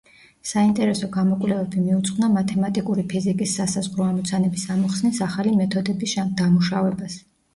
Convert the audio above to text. საინტერესო გამოკვლევები მიუძღვნა მათემატიკური ფიზიკის სასაზღვრო ამოცანების ამოხსნის ახალი მეთოდების დამუშავებას.